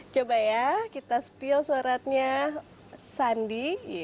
coba ya kita spill suratnya sandi